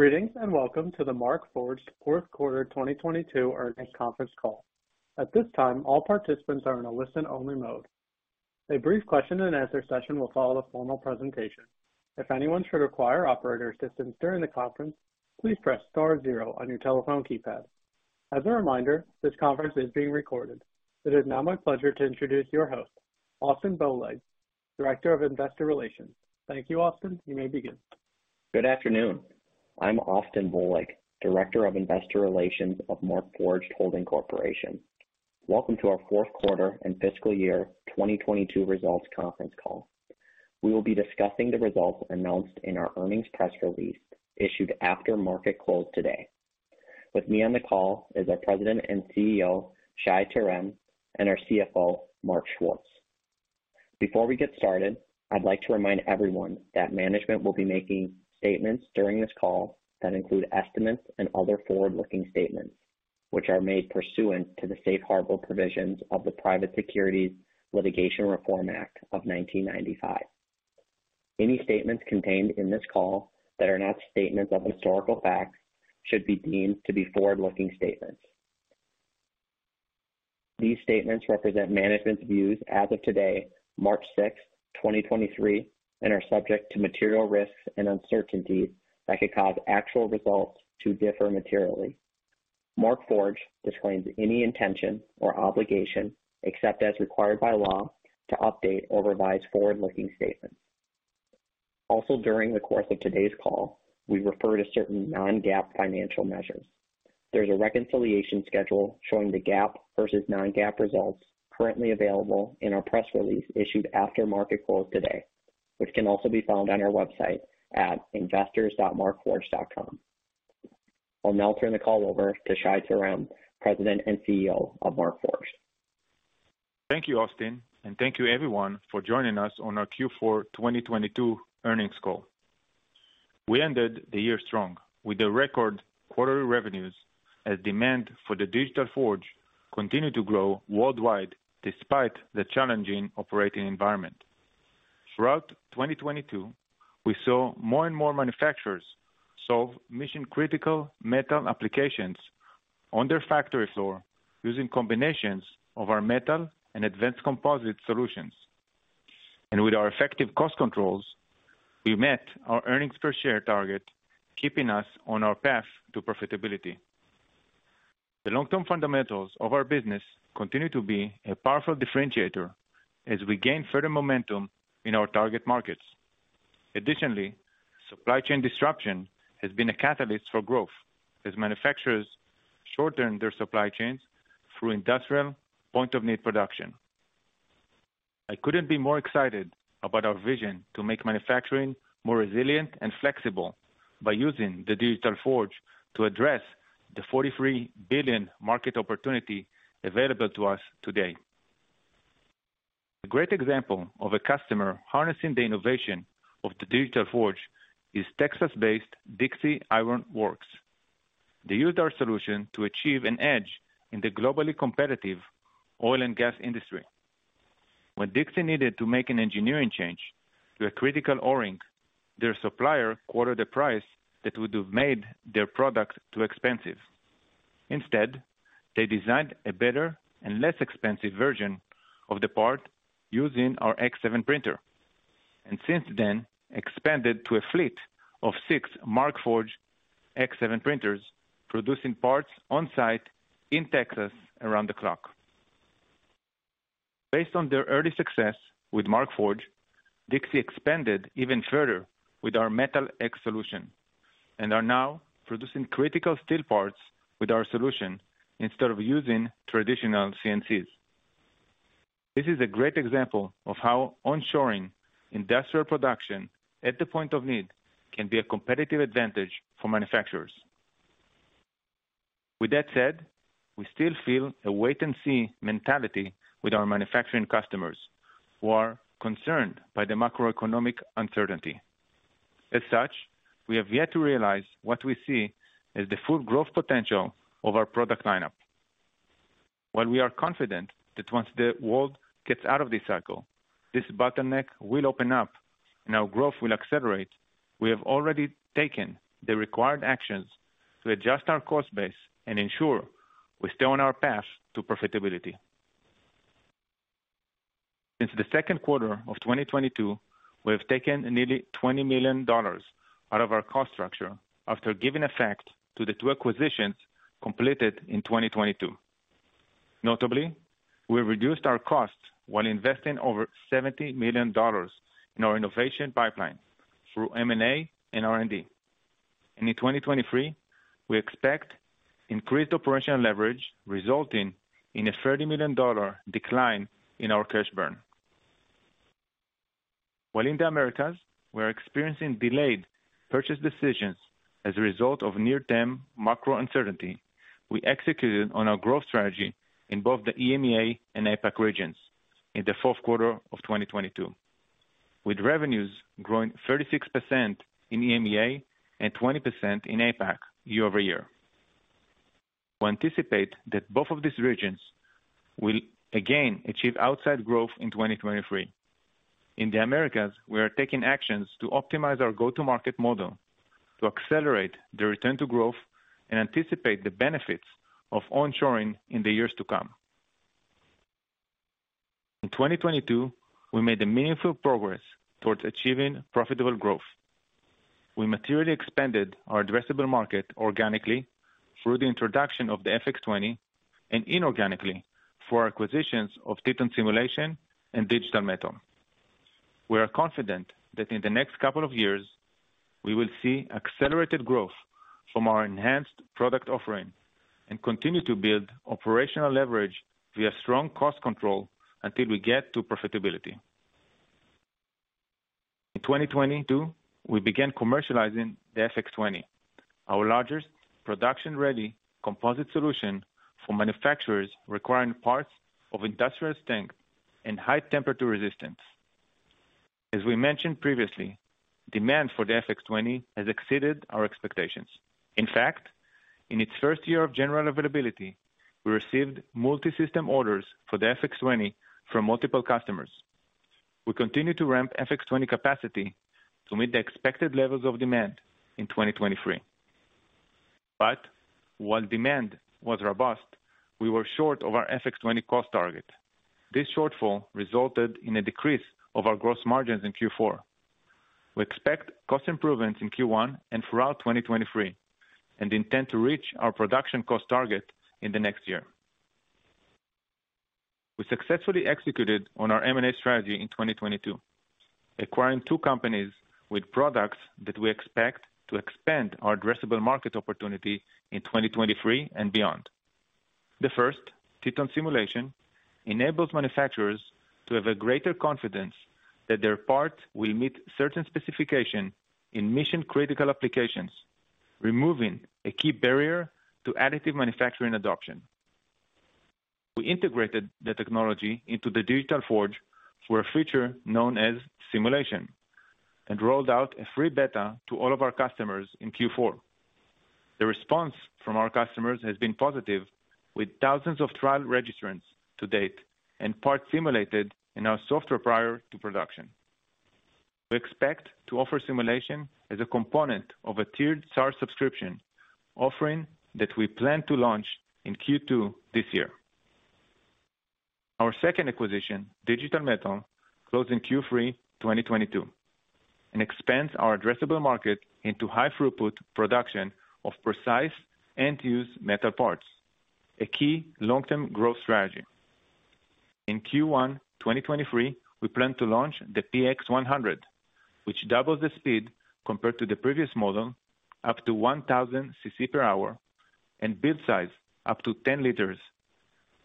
Greetings, and welcome to the Markforged fourth quarter 2022 earnings conference call. At this time, all participants are in a listen-only mode. A brief question and answer session will follow the formal presentation. If anyone should require operator assistance during the conference, please press star zero on your telephone keypad. As a reminder, this conference is being recorded. It is now my pleasure to introduce your host, Austin Bohlig, Director of Investor Relations. Thank you, Austin. You may begin. Good afternoon. I'm Austin Bohlig, Director of Investor Relations of Markforged Holding Corporation. Welcome to our fourth quarter and fiscal year 2022 results conference call. We will be discussing the results announced in our earnings press release issued after market close today. With me on the call is our President and CEO, Shai Terem, and our CFO, Mark Schwartz. Before we get started, I'd like to remind everyone that management will be making statements during this call that include estimates and other forward-looking statements, which are made pursuant to the safe harbor provisions of the Private Securities Litigation Reform Act of 1995. Any statements contained in this call that are not statements of historical facts should be deemed to be forward-looking statements. These statements represent management's views as of today, March 6, 2023, and are subject to material risks and uncertainties that could cause actual results to differ materially. Markforged disclaims any intention or obligation, except as required by law, to update or revise forward-looking statements. During the course of today's call, we refer to certain non-GAAP financial measures. There's a reconciliation schedule showing the GAAP versus non-GAAP results currently available in our press release issued after market close today, which can also be found on our website at investors.markforged.com. I'll now turn the call over to Shai Terem, President and CEO of Markforged. Thank you, Austin. Thank you everyone for joining us on our Q4 2022 earnings call. We ended the year strong with the record quarterly revenues as demand for the Digital Forge continued to grow worldwide despite the challenging operating environment. Throughout 2022, we saw more and more manufacturers solve mission-critical metal applications on their factory floor using combinations of our metal and advanced composite solutions. With our effective cost controls, we met our earnings per share target, keeping us on our path to profitability. The long-term fundamentals of our business continue to be a powerful differentiator as we gain further momentum in our target markets. Additionally, supply chain disruption has been a catalyst for growth as manufacturers shorten their supply chains through industrial point of need production. I couldn't be more excited about our vision to make manufacturing more resilient and flexible by using the Digital Forge to address the $43 billion market opportunity available to us today. A great example of a customer harnessing the innovation of the Digital Forge is Texas-based Dixie Iron Works. They used our solution to achieve an edge in the globally competitive oil and gas industry. When Dixie needed to make an engineering change to a critical O-ring, their supplier quoted a price that would have made their product too expensive. Instead, they designed a better and less expensive version of the part using our X7 printer, and since then expanded to a fleet of six Markforged X7 printers, producing parts on-site in Texas around the clock. Based on their early success with Markforged, Dixie expanded even further with our Metal X solution and are now producing critical steel parts with our solution instead of using traditional CNCs. This is a great example of how onshoring industrial production at the point of need can be a competitive advantage for manufacturers. With that said, we still feel a wait and see mentality with our manufacturing customers, who are concerned by the macroeconomic uncertainty. As such, we have yet to realize what we see as the full growth potential of our product lineup. While we are confident that once the world gets out of this cycle, this bottleneck will open up and our growth will accelerate, we have already taken the required actions to adjust our cost base and ensure we stay on our path to profitability. Since the second quarter of 2022, we have taken nearly $20 million out of our cost structure after giving effect to the two acquisitions completed in 2022. Notably, we reduced our costs while investing over $70 million in our innovation pipeline through M&A and R&D. In 2023, we expect increased operational leverage, resulting in a $30 million decline in our cash burn. While in the Americas, we are experiencing delayed purchase decisions as a result of near-term macro uncertainty, we executed on our growth strategy in both the EMEA and APAC regions in the fourth quarter of 2022, with revenues growing 36% in EMEA and 20% in APAC year-over-year. We anticipate that both of these regions will again achieve outside growth in 2023. In the Americas, we are taking actions to optimize our go-to-market model to accelerate the return to growth and anticipate the benefits of onshoring in the years to come. In 2022, we made a meaningful progress towards achieving profitable growth. We materially expanded our addressable market organically through the introduction of the FX20 and inorganically for acquisitions of Teton Simulation and Digital Metal. We are confident that in the next couple of years, we will see accelerated growth from our enhanced product offering and continue to build operational leverage via strong cost control until we get to profitability. In 2022, we began commercializing the FX20, our largest production-ready composite solution for manufacturers requiring parts of industrial strength and high temperature resistance. As we mentioned previously, demand for the FX20 has exceeded our expectations. In fact, in its first year of general availability, we received multi-system orders for the FX20 from multiple customers. We continue to ramp FX20 capacity to meet the expected levels of demand in 2023. While demand was robust, we were short of our FX20 cost target. This shortfall resulted in a decrease of our gross margins in Q4. We expect cost improvements in Q1 and throughout 2023 and intend to reach our production cost target in the next year. We successfully executed on our M&A strategy in 2022, acquiring two companies with products that we expect to expand our addressable market opportunity in 2023 and beyond. The first, Teton Simulation, enables manufacturers to have a greater confidence that their part will meet certain specification in mission-critical applications, removing a key barrier to additive manufacturing adoption. We integrated the technology into the Digital Forge for a feature known as simulation and rolled out a free beta to all of our customers in Q4. The response from our customers has been positive, with thousands of trial registrants to date and parts simulated in our software prior to production. We expect to offer simulation as a component of a tiered SaaS subscription offering that we plan to launch in Q2 this year. Our second acquisition, Digital Metal, closed in Q3 2022 and expands our addressable market into high throughput production of precise end-use metal parts, a key long-term growth strategy. In Q1 2023, we plan to launch the PX100, which doubles the speed compared to the previous model, up to 1,000 cc per hour and build size up to 10 L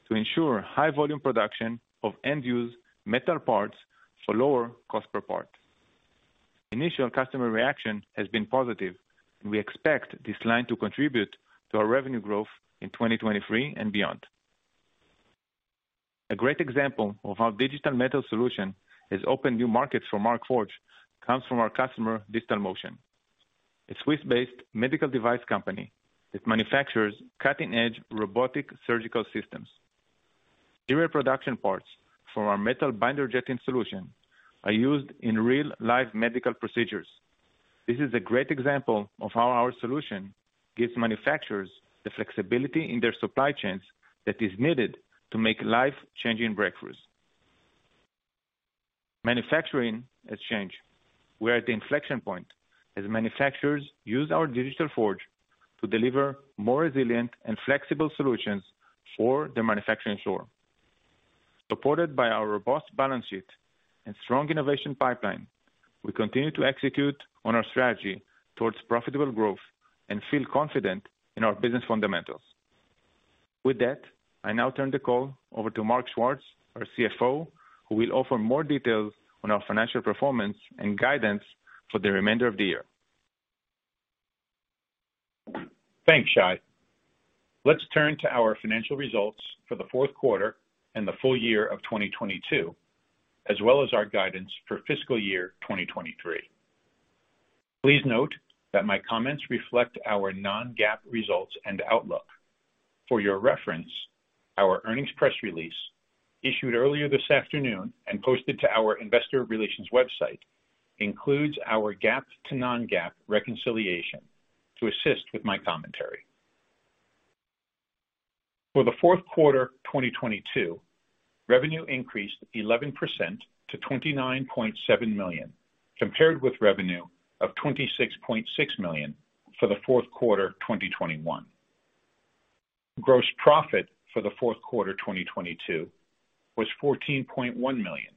to ensure high volume production of end-use metal parts for lower cost per part. Initial customer reaction has been positive, and we expect this line to contribute to our revenue growth in 2023 and beyond. A great example of how Digital Metal solution has opened new markets for Markforged comes from our customer, Digital Motion, a Swiss-based medical device company that manufactures cutting-edge robotic surgical systems. Serial production parts for our metal binder jetting solution are used in real life medical procedures. This is a great example of how our solution gives manufacturers the flexibility in their supply chains that is needed to make life-changing breakthroughs. Manufacturing has changed. We're at the inflection point as manufacturers use our Digital Forge to deliver more resilient and flexible solutions for the manufacturing floor. Supported by our robust balance sheet and strong innovation pipeline, we continue to execute on our strategy towards profitable growth and feel confident in our business fundamentals. I now turn the call over to Mark Schwartz, our CFO, who will offer more details on our financial performance and guidance for the remainder of the year. Thanks, Shai. Let's turn to our financial results for the fourth quarter and the full year of 2022, as well as our guidance for fiscal year 2023. Please note that my comments reflect our non-GAAP results and outlook. For your reference, our earnings press release, issued earlier this afternoon and posted to our investor relations website, includes our GAAP to non-GAAP reconciliation to assist with my commentary. For the fourth quarter 2022, revenue increased 11% to $29.7 million, compared with revenue of $26.6 million for the fourth quarter 2021. Gross profit for the fourth quarter 2022 was $14.1 million,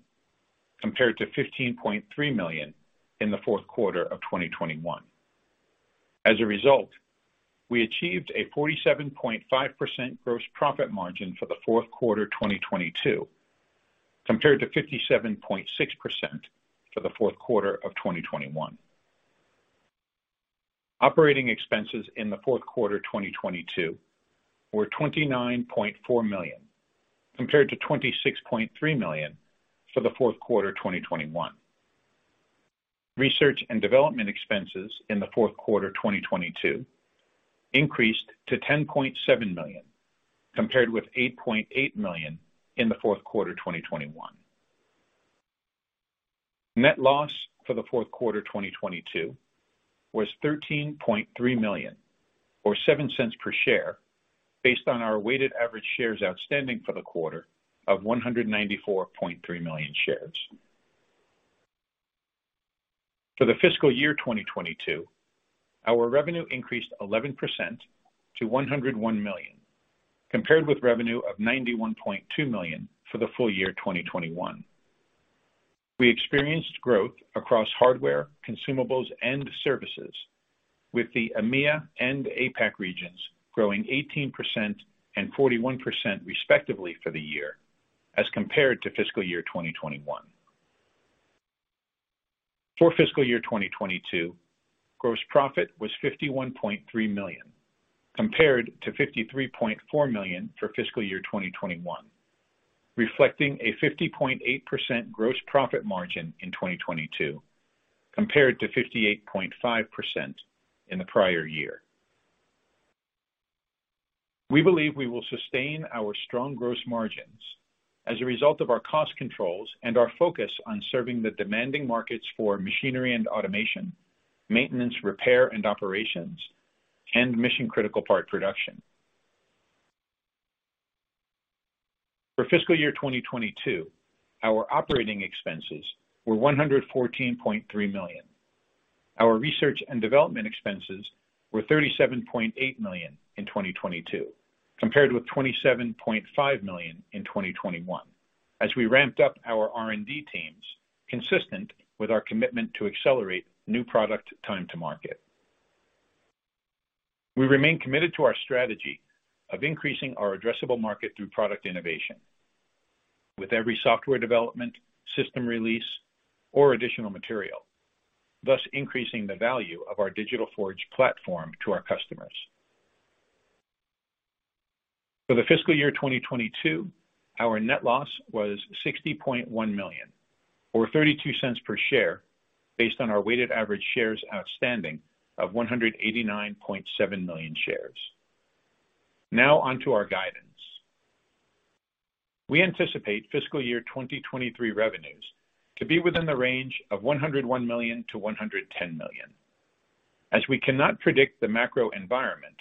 compared to $15.3 million in the fourth quarter of 2021. As a result, we achieved a 47.5% gross profit margin for the fourth quarter 2022, compared to 57.6% for the fourth quarter of 2021. Operating expenses in the fourth quarter 2022 were $29.4 million, compared to $26.3 million for the fourth quarter 2021. Research and development expenses in the fourth quarter 2022 increased to $10.7 million, compared with $8.8 million in the fourth quarter 2021. Net loss for the fourth quarter 2022 was $13.3 million or $0.07 per share based on our weighted average shares outstanding for the quarter of 194.3 million shares. For the fiscal year 2022, our revenue increased 11% to $101 million, compared with revenue of $91.2 million for the full year 2021. We experienced growth across hardware, consumables, and services, with the EMEA and APAC regions growing 18% and 41% respectively for the year as compared to fiscal year 2021. For fiscal year 2022, gross profit was $51.3 million, compared to $53.4 million for fiscal year 2021, reflecting a 50.8% gross profit margin in 2022 compared to 58.5% in the prior year. We believe we will sustain our strong gross margins as a result of our cost controls and our focus on serving the demanding markets for machinery and automation, maintenance, repair and operations, and mission-critical part production. For fiscal year 2022, our operating expenses were $114.3 million. Our research and development expenses were $37.8 million in 2022, compared with $27.5 million in 2021 as we ramped up our R&D teams consistent with our commitment to accelerate new product time to market. We remain committed to our strategy of increasing our addressable market through product innovation with every software development, system release or additional material, thus increasing the value of our Digital Forge platform to our customers. For the fiscal year 2022, our net loss was $60.1 million or $0.32 per share based on our weighted average shares outstanding of 189.7 million shares. On to our guidance. We anticipate fiscal year 2023 revenues to be within the range of $101 million-$110 million. As we cannot predict the macro environment,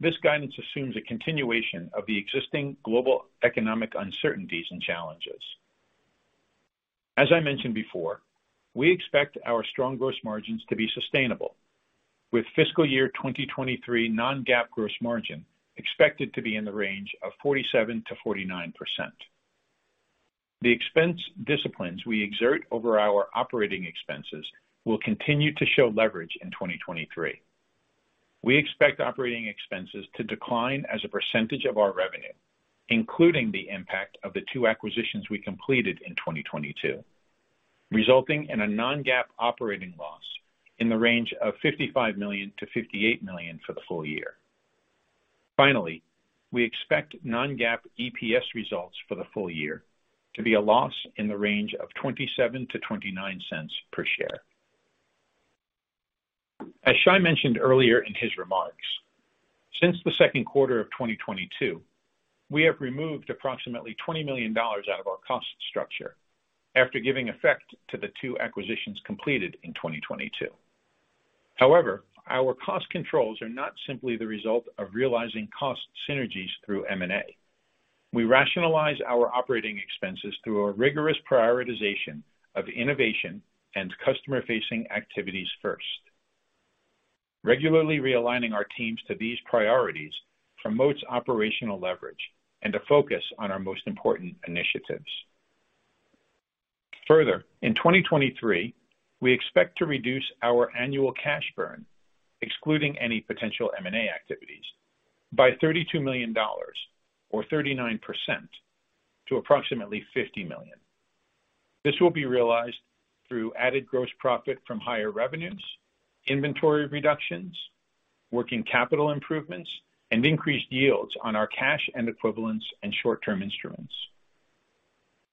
this guidance assumes a continuation of the existing global economic uncertainties and challenges. As I mentioned before, we expect our strong gross margins to be sustainable with fiscal year 2023 non-GAAP gross margin expected to be in the range of 47%-49%. The expense disciplines we exert over our operating expenses will continue to show leverage in 2023. We expect operating expenses to decline as a percentage of our revenue, including the impact of the two acquisitions we completed in 2022, resulting in a non-GAAP operating loss in the range of $55 million-$58 million for the full year. Finally, we expect non-GAAP EPS results for the full year to be a loss in the range of $0.27-$0.29 per share. As Shai mentioned earlier in his remarks, since the second quarter of 2022, we have removed approximately $20 million out of our cost structure after giving effect to the two acquisitions completed in 2022. Our cost controls are not simply the result of realizing cost synergies through M&A. We rationalize our operating expenses through a rigorous prioritization of innovation and customer-facing activities first. Regularly realigning our teams to these priorities promotes operational leverage and a focus on our most important initiatives. In 2023, we expect to reduce our annual cash burn, excluding any potential M&A activities, by $32 million or 39% to approximately $50 million. This will be realized through added gross profit from higher revenues, inventory reductions, working capital improvements, and increased yields on our cash and equivalents, and short-term instruments.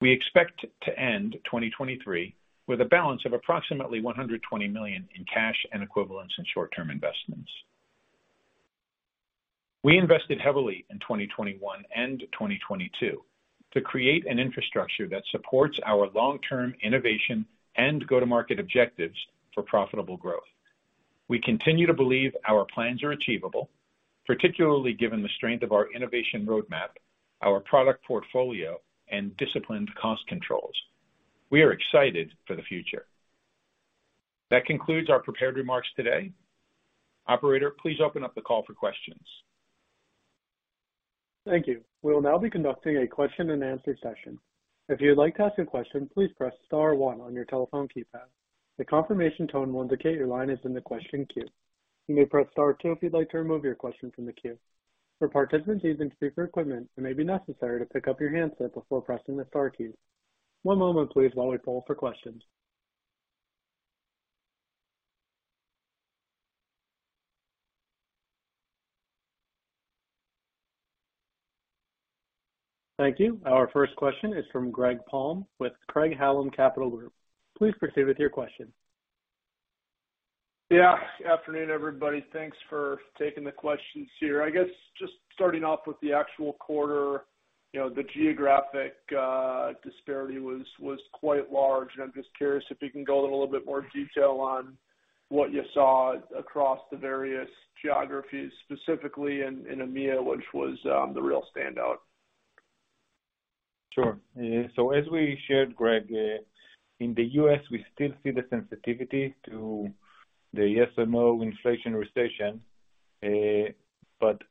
We expect to end 2023 with a balance of approximately $120 million in cash and equivalents in short-term investments. We invested heavily in 2021 and 2022 to create an infrastructure that supports our long-term innovation and go-to-market objectives for profitable growth. We continue to believe our plans are achievable, particularly given the strength of our innovation roadmap, our product portfolio, and disciplined cost controls. We are excited for the future. That concludes our prepared remarks today. Operator, please open up the call for questions. Thank you. We'll now be conducting a question and answer session. If you'd like to ask a question, please press star one on your telephone keypad. The confirmation tone will indicate your line is in the question queue. You may press star two if you'd like to remove your question from the queue. For participants using speaker equipment, it may be necessary to pick up your handset before pressing the star key. One moment please while we poll for questions. Thank you. Our first question is from Greg Palm with Craig-Hallum Capital Group. Please proceed with your question. Yeah. Afternoon, everybody. Thanks for taking the questions here. I guess just starting off with the actual quarter, you know, the geographic disparity was quite large, I'm just curious if you can go in a little bit more detail on what you saw across the various geographies, specifically in EMEA, which was the real standout. Sure. As we shared, Greg, in the U.S., we still see the sensitivity to the SMO inflation recession.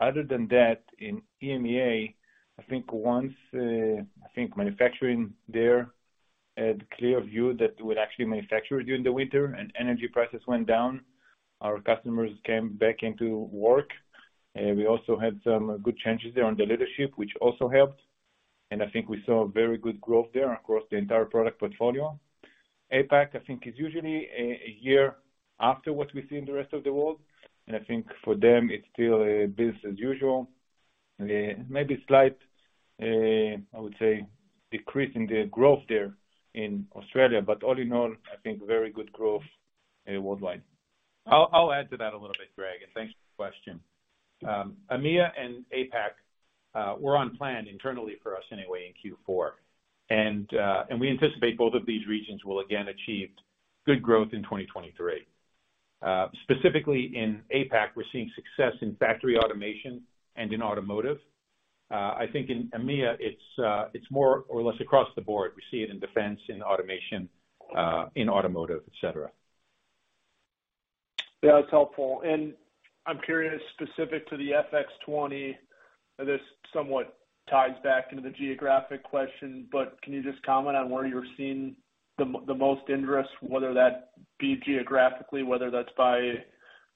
Other than that, in EMEA, I think once, I think manufacturing there had clear view that would actually manufacture during the winter and energy prices went down, our customers came back into work. We also had some good changes there on the leadership, which also helped. I think we saw very good growth there across the entire product portfolio. APAC, I think is usually a year after what we see in the rest of the world, and I think for them it's still business as usual. Maybe slight, I would say decrease in the growth there in Australia, but all in all, I think very good growth worldwide. I'll add to that a little bit, Greg, and thanks for the question. EMEA and APAC were on plan internally for us anyway in Q4. We anticipate both of these regions will again achieve good growth in 2023. Specifically in APAC, we're seeing success in factory automation and in automotive. I think in EMEA, it's more or less across the board. We see it in defense, in automation, in automotive, et cetera. Yeah, that's helpful. I'm curious, specific to the FX20, this somewhat ties back into the geographic question, but can you just comment on where you're seeing the most interest, whether that be geographically, whether that's by, you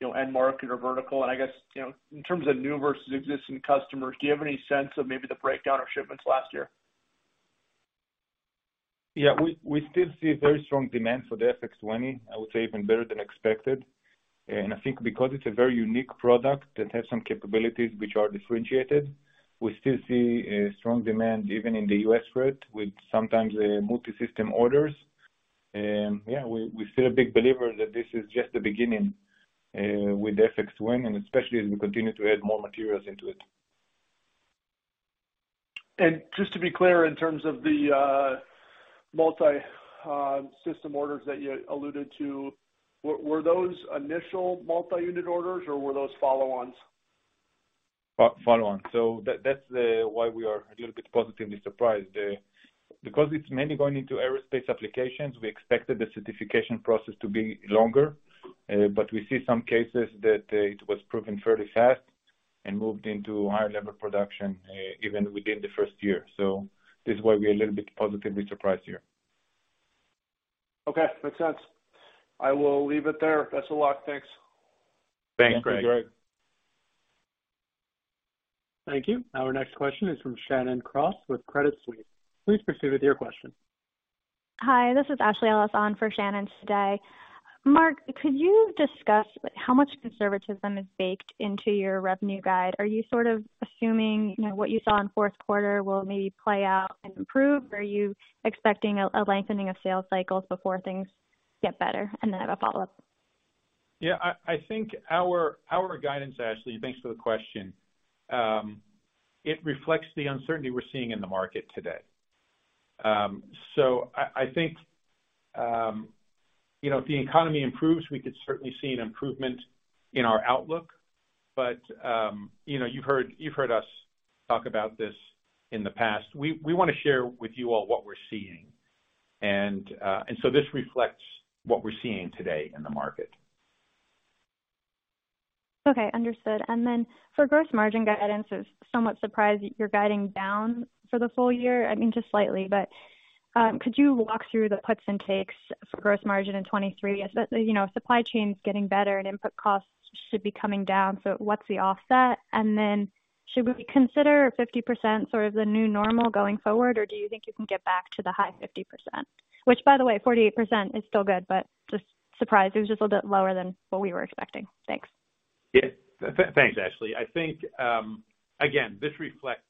know, end market or vertical? I guess, you know, in terms of new versus existing customers, do you have any sense of maybe the breakdown of shipments last year? Yeah. We still see very strong demand for the FX20. I would say even better than expected. I think because it's a very unique product that has some capabilities which are differentiated, we still see a strong demand even in the U.S. grid with sometimes multi-system orders. Yeah, we're still a big believer that this is just the beginning with FX20, and especially as we continue to add more materials into it. Just to be clear, in terms of the multi system orders that you alluded to, were those initial multi-unit orders, or were those follow-ons? Follow-ons. That's why we are a little bit positively surprised. Because it's mainly going into aerospace applications, we expected the certification process to be longer, but we see some cases that it was proven fairly fast and moved into higher level production even within the first year. This is why we're a little bit positively surprised here. Okay. Makes sense. I will leave it there. Best of luck. Thanks. Thanks, Greg. Thank you, Greg. Thank you. Our next question is from Shannon Cross with Credit Suisse. Please proceed with your question. Hi, this is Ashley Lessen for Shannon today. Mark, could you discuss how much conservatism is baked into your revenue guide? Are you sort of assuming, you know, what you saw in fourth quarter will maybe play out and improve, or are you expecting a lengthening of sales cycles before things get better? Then I have a follow-up. Yeah. I think our guidance, Ashley, thanks for the question. It reflects the uncertainty we're seeing in the market today. I think, you know, if the economy improves, we could certainly see an improvement in our outlook. You know, you've heard us talk about this in the past. We wanna share with you all what we're seeing. This reflects what we're seeing today in the market. Okay. Understood. For gross margin guidance, I was somewhat surprised you're guiding down for the full year. I mean, just slightly, but could you walk through the puts and takes for gross margin in 2023? You know, supply chain is getting better and input costs should be coming down, so what's the offset? Should we consider 50% sort of the new normal going forward, or do you think you can get back to the high 50%? Which by the way, 48% is still good, but just surprised. It was just a little bit lower than what we were expecting. Thanks. Thanks, Ashley. I think, again, this reflects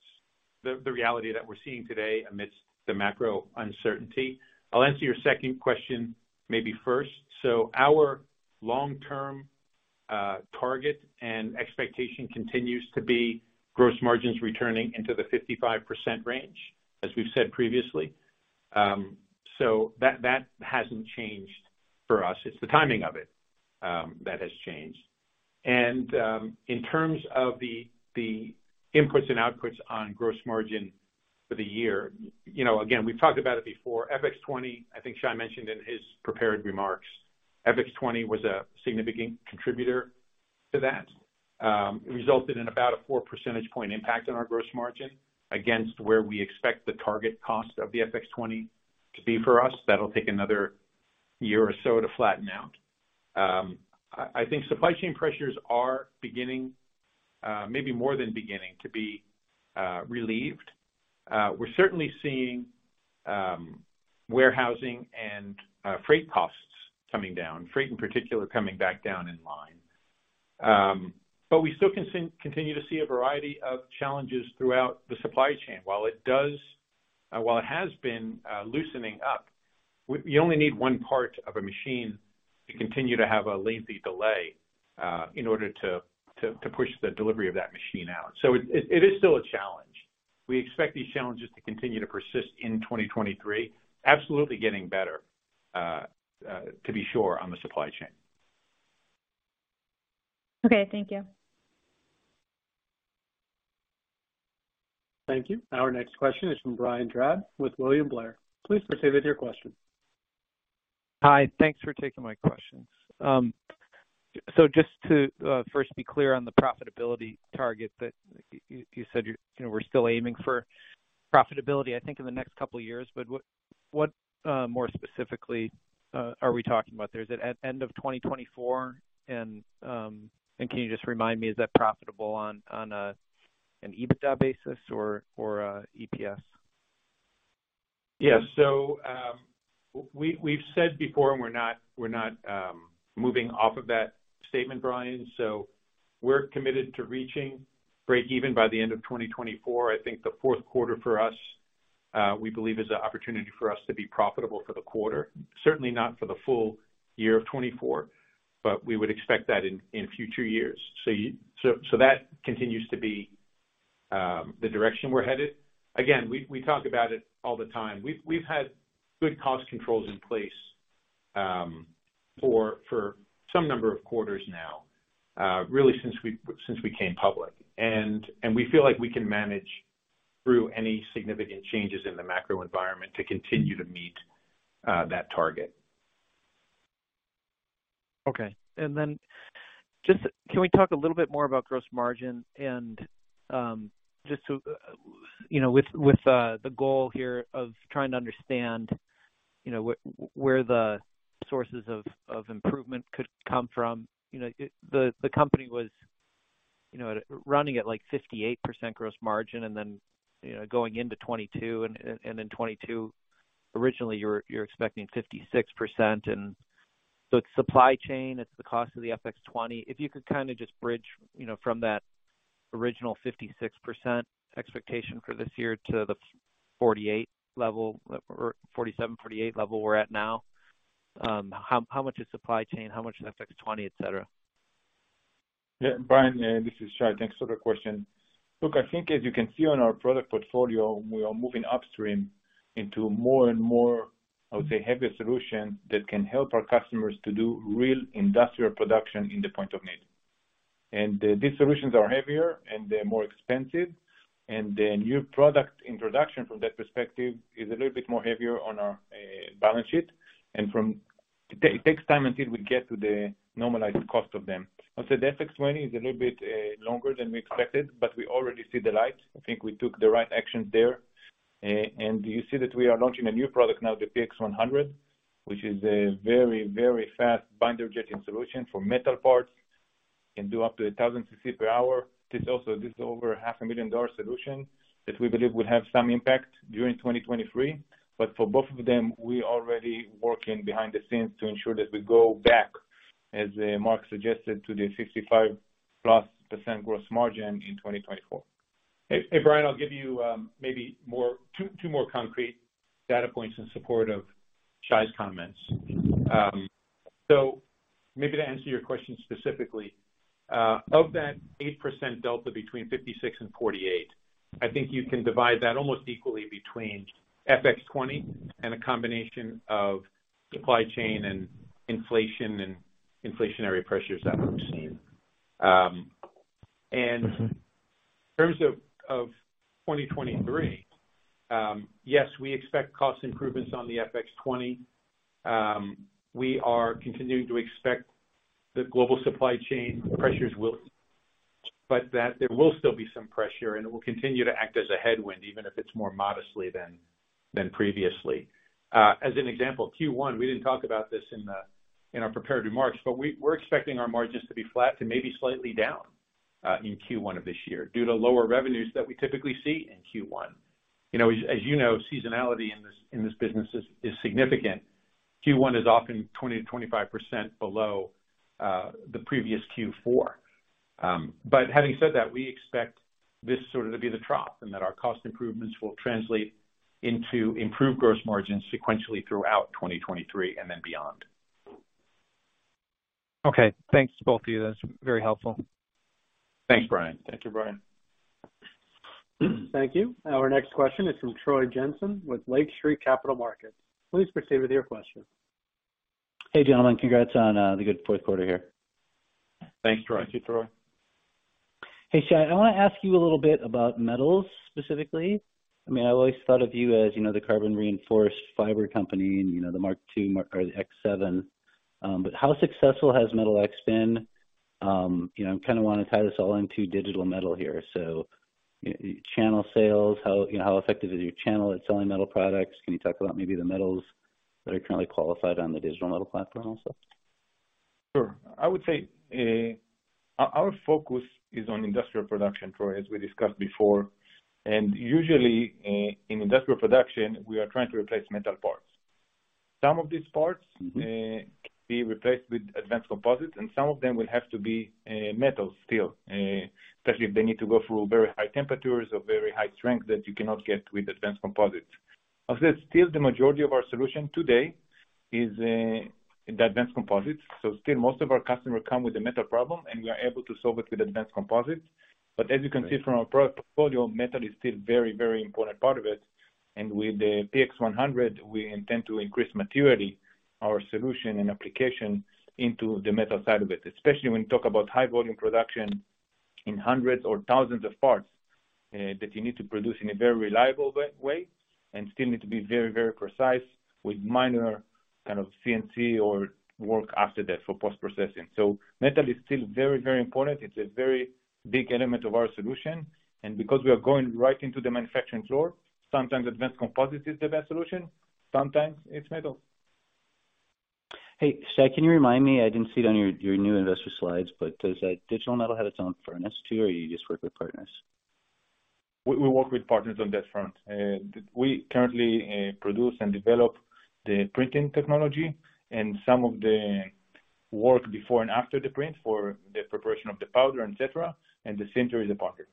the reality that we're seeing today amidst the macro uncertainty. I'll answer your second question maybe first. Our long-term target and expectation continues to be gross margins returning into the 55% range, as we've said previously. That hasn't changed for us. It's the timing of it that has changed. In terms of the inputs and outputs on gross margin for the year, you know, again, we've talked about it before, FX20, I think Shai mentioned in his prepared remarks, FX20 was a significant contributor to that. It resulted in about a 4%-point impact on our gross margin against where we expect the target cost of the FX20 to be for us. That'll take another year or so to flatten out. I think supply chain pressures are beginning, maybe more than beginning to be, relieved. We're certainly seeing warehousing and freight costs coming down, freight in particular coming back down in line. We still continue to see a variety of challenges throughout the supply chain. While it has been loosening up, we only need one part of a machine to continue to have a lengthy delay in order to push the delivery of that machine out. It is still a challenge. We expect these challenges to continue to persist in 2023. Absolutely getting better, to be sure on the supply chain. Okay, thank you. Thank you. Our next question is from Brian Drab with William Blair. Please proceed with your question. Hi. Thanks for taking my questions. Just to first be clear on the profitability target that you said you're, you know, we're still aiming for profitability, I think, in the next couple of years, but what more specifically are we talking about there? Is it at end of 2024? Can you just remind me, is that profitable on an EBITDA basis or EPS? Yes. We've said before, and we're not, we're not moving off of that statement, Brian. We're committed to reaching breakeven by the end of 2024. I think the fourth quarter for us, we believe is an opportunity for us to be profitable for the quarter. Certainly not for the full year of 2024, but we would expect that in future years. That continues to be the direction we're headed. Again, we talk about it all the time. We've, we've had good cost controls in place for some number of quarters now, really since we, since we came public. And, and we feel like we can manage through any significant changes in the macro environment to continue to meet that target. Okay. Just can we talk a little bit more about gross margin and, just to, you know, with, the goal here of trying to understand, you know, where the sources of improvement could come from. You know, the company was, you know, running at, like, 58% gross margin and then, you know, going into 2022 and then 2022, originally you're expecting 56%. It's supply chain, it's the cost of the FX20. If you could kind of just bridge, you know, from that original 56% expectation for this year to the 48% level or 47%-48% level we're at now, how much is supply chain? How much is FX20, et cetera? Yeah, Brian, this is Shai. Thanks for the question. Look, I think as you can see on our product portfolio, we are moving upstream into more and more, I would say, heavier solutions that can help our customers to do real industrial production in the point of need. These solutions are heavier, and they're more expensive. The new product introduction from that perspective is a little bit more heavier on our balance sheet. It takes time until we get to the normalized cost of them. I said FX20 is a little bit longer than we expected, but we already see the light. I think we took the right actions there. You see that we are launching a new product now, the PX100, which is a very, very fast binder jetting solution for metal parts. Can do up to 1,000 cc per hour. This is over $0.5 million solution that we believe will have some impact during 2023. For both of them, we already working behind the scenes to ensure that we go back, as Mark suggested, to the 65%+ gross margin in 2024. Hey, hey, Brian, I'll give you maybe more, two more concrete data points in support of Shai's comments. Maybe to answer your question specifically, of that 8% delta between 56 and 48, I think you can divide that almost equally between FX20 and a combination of supply chain and inflation and inflationary pressures that we've seen. In terms of 2023, yes, we expect cost improvements on the FX20. We are continuing to expect the global supply chain pressures will, but that there will still be some pressure, and it will continue to act as a headwind, even if it's more modestly than previously. As an example, Q1, we didn't talk about this in our prepared remarks, but we're expecting our margins to be flat to maybe slightly down in Q1 of this year due to lower revenues that we typically see in Q1. You know, as you know, seasonality in this business is significant. Q1 is often 20%-25% below the previous Q4. Having said that, we expect this sort of to be the trough and that our cost improvements will translate into improved gross margins sequentially throughout 2023 and then beyond. Okay. Thanks to both of you. That's very helpful. Thanks, Brian. Thank you, Brian. Thank you. Our next question is from Troy Jensen with Lake Street Capital Markets. Please proceed with your question. Hey, gentlemen. Congrats on the good fourth quarter here. Thanks, Troy. Thank you, Troy. Hey, Shai, I wanna ask you a little bit about metals specifically. I mean, I've always thought of you as, you know, the carbon reinforced fiber company and, you know, the Mark Two or the X7. How successful has Metal X been? You know, I kind of wanna tie this all into Digital Metal here. You know, channel sales, how, you know, how effective is your channel at selling metal products? Can you talk about maybe the metals that are currently qualified on the Digital Metal platform also? Sure. I would say, our focus is on industrial production, Troy, as we discussed before. Usually in industrial production, we are trying to replace metal parts. Some of these parts can be replaced with advanced composites, and some of them will have to be metal still, especially if they need to go through very high temperatures or very high strength that you cannot get with advanced composites. As I said, still the majority of our solution today is the advanced composites. Still most of our customers come with a metal problem, and we are able to solve it with advanced composites. As you can see from our product portfolio, metal is still very, very important part of it. With the PX100, we intend to increase materially our solution and application into the metal side of it, especially when you talk about high volume production in hundreds or thousands of parts that you need to produce in a very reliable way, and still need to be very, very precise with minor kind of CNC or work after that for post-processing. Metal is still very, very important. It's a very big element of our solution, and because we are going right into the manufacturing floor, sometimes advanced composites is the best solution, sometimes it's metal. Hey, Shai, can you remind me, I didn't see it on your new investor slides, but does Digital Metal have its own furnace too, or you just work with partners? We work with partners on that front. We currently produce and develop the printing technology and some of the work before and after the print for the preparation of the powder, et cetera. The center is a partner.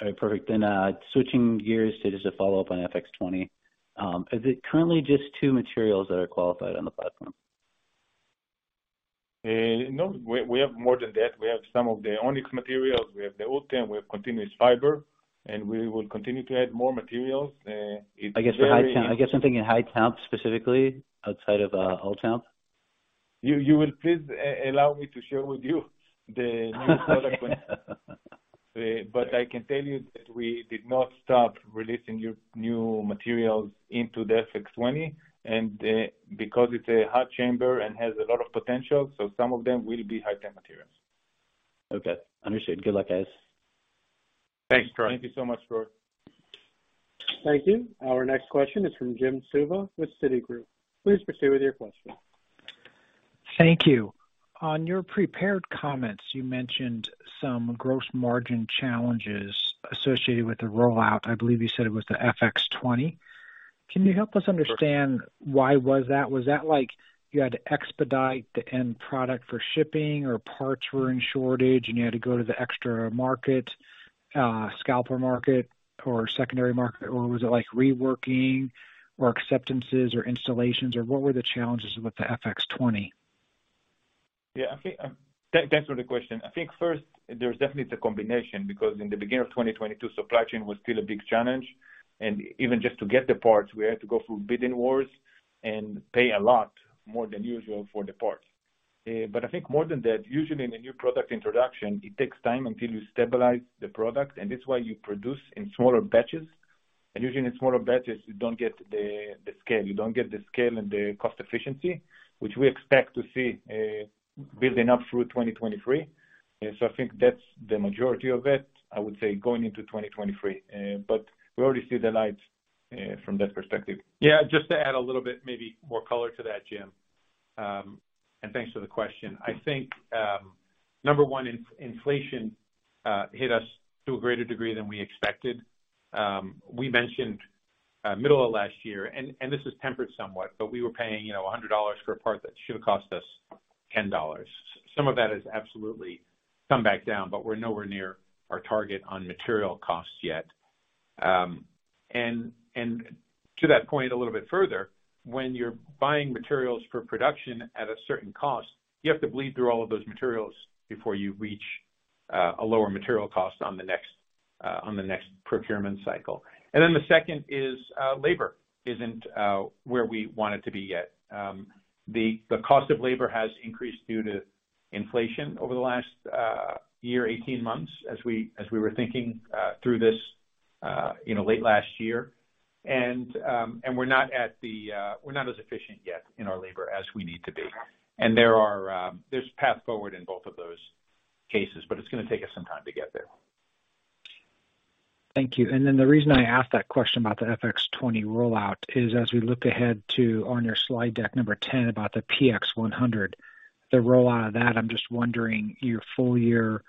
All right. Perfect. Switching gears to just a follow-up on FX20. Is it currently just two materials that are qualified on the platform? No, we have more than that. We have some of the Onyx materials. We have the ULTEM. We have continuous fiber, and we will continue to add more materials. It's very- I guess the high temp I guess something in high temp specifically outside of ULTEM? You will please allow me to share with you the new product. I can tell you that we did not stop releasing new materials into the FX20 and because it's a hot chamber and has a lot of potential. Some of them will be high temp materials. Okay. Understood. Good luck, guys. Thanks, Troy. Thank you so much, Troy. Thank you. Our next question is from Jim Suva with Citigroup. Please proceed with your question. Thank you. On your prepared comments, you mentioned some gross margin challenges associated with the rollout. I believe you said it was the FX20. Can you help us understand why was that? Was that like you had to expedite the end product for shipping or parts were in shortage and you had to go to the extra market, scalper market or secondary market? Was it like reworking or acceptances or installations or what were the challenges with the FX20? I think, to answer the question, I think first there's definitely the combination because in the beginning of 2022, supply chain was still a big challenge and even just to get the parts we had to go through bidding wars and pay a lot more than usual for the parts. I think more than that, usually in a new product introduction it takes time until you stabilize the product and that's why you produce in smaller batches. Usually in smaller batches you don't get the scale. You don't get the scale and the cost efficiency which we expect to see building up through 2023. I think that's the majority of it, I would say going into 2023. We already see the light from that perspective. Just to add a little bit maybe more color to that, Jim. Thanks for the question. I think number one, inflation hit us to a greater degree than we expected. We mentioned middle of last year, and this is tempered somewhat, but we were paying, you know, $100 for a part that should have cost us $10. Some of that has absolutely come back down, but we're nowhere near our target on material costs yet. To that point a little bit further, when you're buying materials for production at a certain cost, you have to bleed through all of those materials before you reach a lower material cost on the next procurement cycle. The second is labor isn't where we want it to be yet. The cost of labor has increased due to inflation over the last year, 18 months as we were thinking through this, you know, late last year. We're not as efficient yet in our labor as we need to be. There are, there's path forward in both of those cases, but it's gonna take us some time to get there. Thank you. The reason I asked that question about the FX20 rollout is as we look ahead to on your slide deck number 10 about the PX100, the rollout of that, I'm just wondering your full year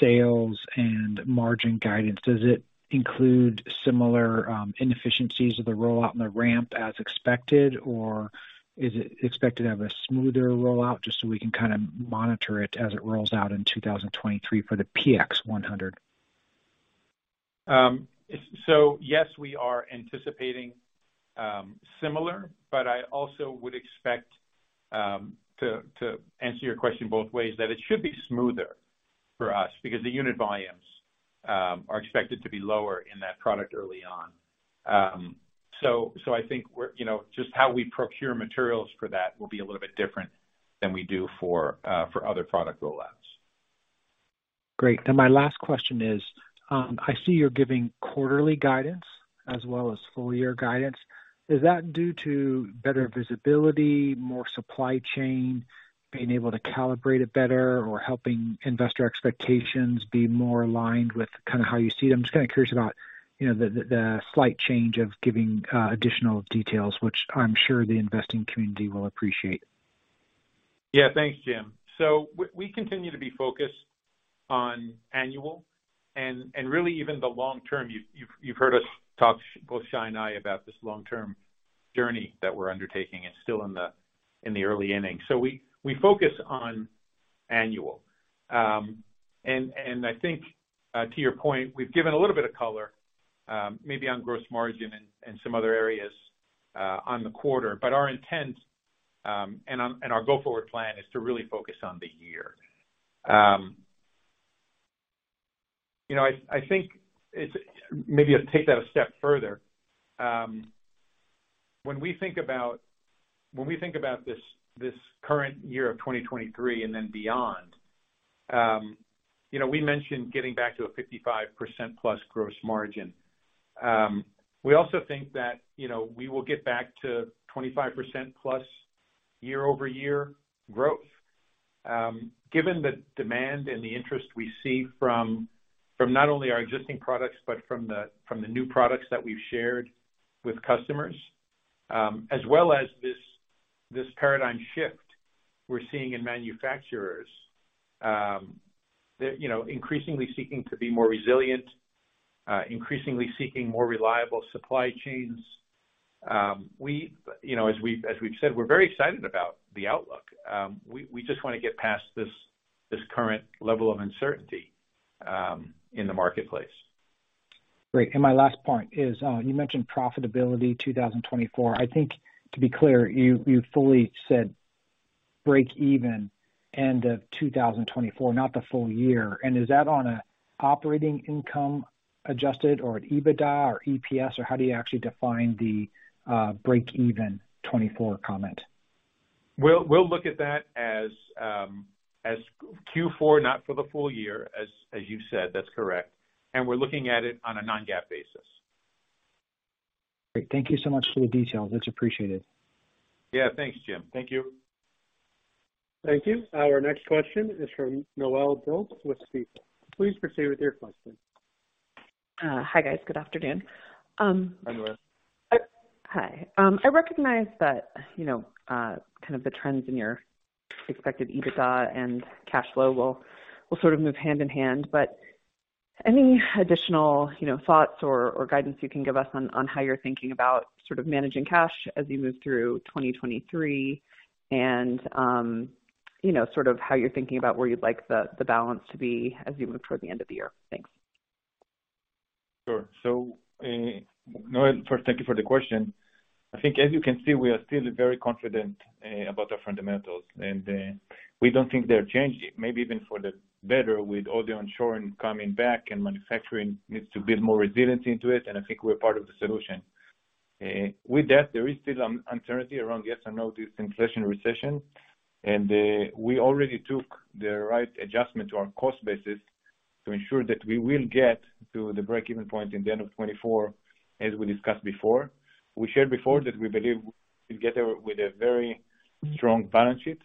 sales and margin guidance. Does it include similar inefficiencies of the rollout and the ramp as expected, or is it expected to have a smoother rollout? Just so we can kind of monitor it as it rolls out in 2023 for the PX100. Yes, we are anticipating similar, but I also would expect to answer your question both ways, that it should be smoother for us because the unit volumes are expected to be lower in that product early on. So I think, you know, just how we procure materials for that will be a little bit different than we do for other product rollouts. Great. My last question is, I see you're giving quarterly guidance as well as full year guidance. Is that due to better visibility, more supply chain being able to calibrate it better or helping investor expectations be more aligned with kind of how you see them? I'm just kind of curious about the slight change of giving additional details which I'm sure the investing community will appreciate. Yeah. Thanks, Jim. We continue to be focused on annual and really even the long term. You've heard us talk, both Shai and I, about this long-term journey that we're undertaking and still in the, in the early innings. We, we focus on annual. I think, to your point, we've given a little bit of color, maybe on gross margin and some other areas on the quarter. Our intent, and our go forward plan is to really focus on the year. you know, Maybe I'll take that a step further. when we think about this current year of 2023 and then beyond, you know, we mentioned getting back to a 55% plus gross margin. We also think that, you know, we will get back to 25%+ year-over-year growth, given the demand and the interest we see from not only our existing products, but from the new products that we've shared with customers, as well as this paradigm shift we're seeing in manufacturers. They're, you know, increasingly seeking to be more resilient, increasingly seeking more reliable supply chains. We, you know, as we've said, we're very excited about the outlook. We just wanna get past this current level of uncertainty in the marketplace. Great. My last point is, you mentioned profitability 2024. I think to be clear, you fully said break even end of 2024, not the full year. Is that on a operating income adjusted or an EBITDA or EPS or how do you actually define the breakeven 2024 comment? We'll look at that as Q4, not for the full year, as you said, that's correct. We're looking at it on a non-GAAP basis. Great. Thank you so much for the details. It's appreciated. Yeah. Thanks, Jim. Thank you. Thank you. Our next question is from Noelle Dilts with Stifel. Please proceed with your question. Hi, guys. Good afternoon. Hi, Noelle. Hi. I recognize that, you know, kind of the trends in your expected EBITDA and cash flow will sort of move hand in hand. Any additional, you know, thoughts or guidance you can give us on how you're thinking about sort of managing cash as you move through 2023 and, you know, sort of how you're thinking about where you'd like the balance to be as you move toward the end of the year? Thanks. Sure. Noelle, first thank you for the question. I think as you can see, we are still very confident about our fundamentals, we don't think they're changing, maybe even for the better with all the onshoring coming back and manufacturing needs to build more resilience into it, and I think we're part of the solution. With that, there is still uncertainty around, yes or no, this inflation/recession. We already took the right adjustment to our cost basis to ensure that we will get to the break-even point in the end of 2024, as we discussed before. We shared before that we believe we get there with a very strong balance sheet.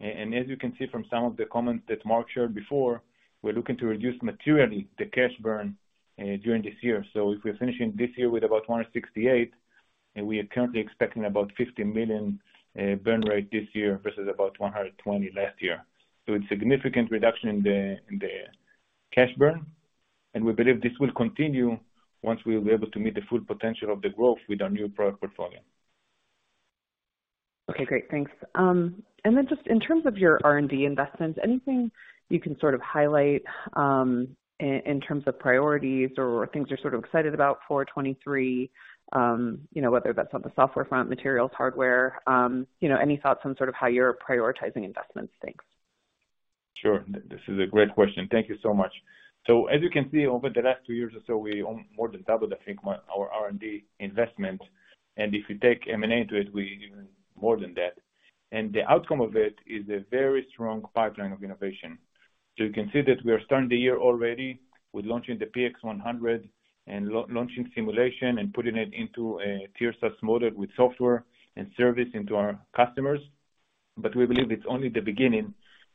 As you can see from some of the comments that Mark shared before, we're looking to reduce materially the cash burn during this year. If we're finishing this year with about $168 million, and we are currently expecting about $50 million burn rate this year versus about $120 million last year. It's significant reduction in the cash burn, and we believe this will continue once we'll be able to meet the full potential of the growth with our new product portfolio. Okay, great. Thanks. Just in terms of your R&D investments, anything you can sort of highlight, in terms of priorities or things you're sort of excited about for 2023, you know, whether that's on the software front, materials, hardware, you know, any thoughts on sort of how you're prioritizing investments? Thanks. Sure. This is a great question. Thank you so much. As you can see, over the last two years or so, we more than doubled, I think, our R&D investment. If you take M&A into it, we even more than that. The outcome of it is a very strong pipeline of innovation. You can see that we are starting the year already with launching the PX100 and launching simulation and putting it into a tier SaaS model with software and service into our customers. We believe it's only the beginning.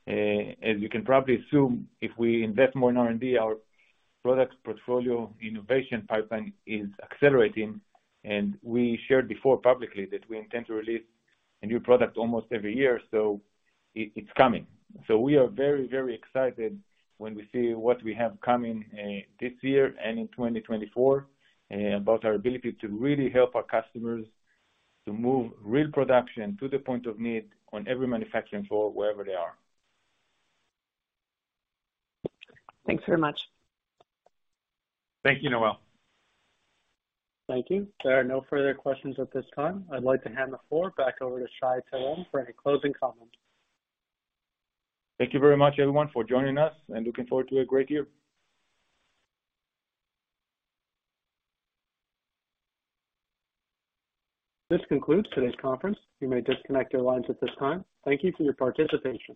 As you can probably assume, if we invest more in R&D, our product portfolio innovation pipeline is accelerating. We shared before publicly that we intend to release a new product almost every year, so it's coming. We are very, very excited when we see what we have coming, this year and in 2024, about our ability to really help our customers to move real production to the point of need on every manufacturing floor, wherever they are. Thanks very much. Thank you, Noelle. Thank you. There are no further questions at this time. I'd like to hand the floor back over to Shai Terem for any closing comments. Thank you very much everyone for joining us, and looking forward to a great year. This concludes today's conference. You may disconnect your lines at this time. Thank you for your participation.